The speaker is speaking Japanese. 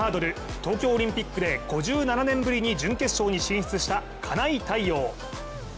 東京オリンピックで５７年ぶりに準決勝に進出した金井大旺。